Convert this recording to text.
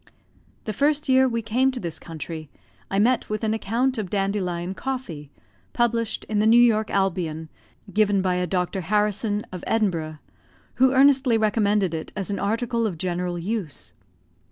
The first year we came to this country, I met with an account of dandelion coffee, published in the New York Albion, given by a Dr. Harrison, of Edinburgh, who earnestly recommended it as an article of general use.